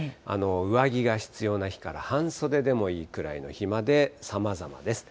上着が必要な日から、半袖でもいいくらいの日まで、さまざまです。